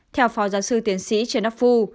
theo phó giáo sư tiến sĩ trần đắc phu